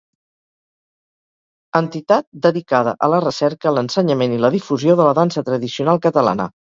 Entitat dedicada a la recerca, l'ensenyament i la difusió de la dansa tradicional catalana.